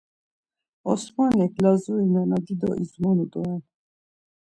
Osmanik Lazuri nena dido izmonu doren.